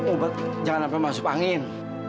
ubat jangan sampai masuk angin